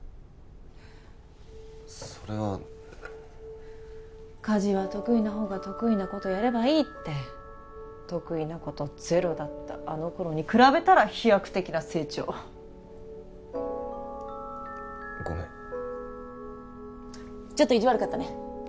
それは家事は得意な方が得意なことやればいいって得意なことゼロだったあの頃に比べたら飛躍的な成長ごめんちょっと意地悪かったね